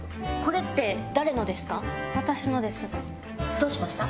どうしました？